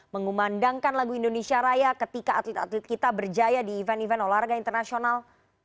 mengumandangkan lagu indonesia raya ketika atlet atlet kita berjaya di event event olahraga internasional